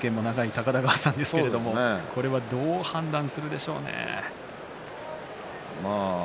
高田川さんですがこれはどう判断するでしょうね。